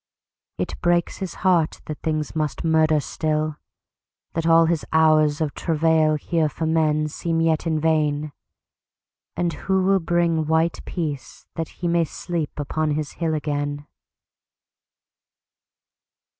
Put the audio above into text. It breaks his heart that things must murder still, That all his hours of travail here for menSeem yet in vain. And who will bring white peaceThat he may sleep upon his hill again?